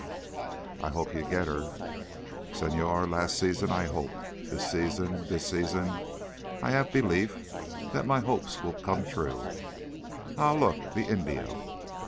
"I hope you get her!" "Señor, last season I hoped. This season—this season I have belief that my hopes will come true. Ah, look, the Indio!"